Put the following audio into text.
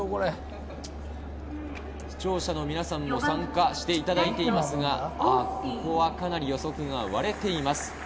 視聴者の皆さんも参加してもらっていますが、ここは、かなり予測が割れています。